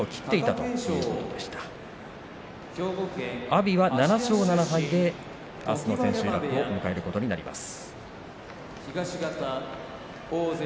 阿炎は７勝７敗であすの千秋楽を迎えることになります。